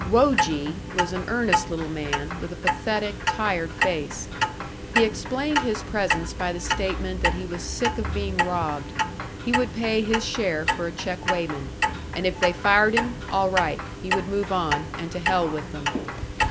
"Woji" was an earnest little man, with a pathetic, tired face. He explained his presence by the statement that he was sick of being robbed; he would pay his share for a check weighman, and if they fired him, all right, he would move on, and to hell with them.